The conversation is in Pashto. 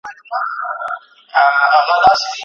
مړی شریک دی یو کور ساندي بل سندري وايی